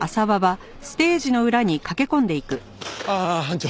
ああ班長。